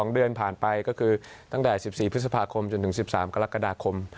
๒เดือนผ่านไปก็คือตั้งแต่๑๔พฤษภาคมจนถึง๑๓กรกฎาคม